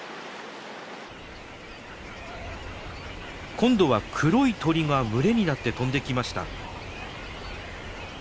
今度は黒い鳥が群れになって飛んできました。